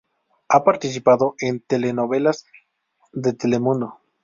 Ha participado en telenovelas de Telemundo.